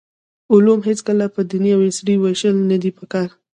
علوم هېڅکله په دیني او عصري ویشل ندي پکار.